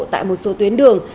tại một số tuyến đường